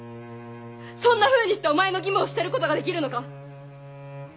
そんなふうにしてお前の義務を捨てることができるのか？